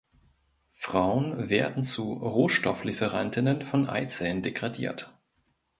Frauen werden zu Rohstofflieferantinnen von Eizellen degradiert.